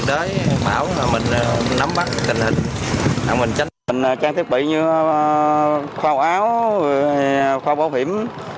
đặc biệt như khoa học áo khoa bảo hiểm